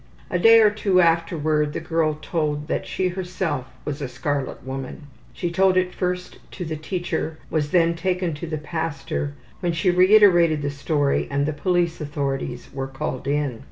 A day or two afterward the girl told that she herself was ``a scarlet woman.'' She told it first to the teacher, was then taken to the pastor, when she reiterated the story, and the police authorities were called in.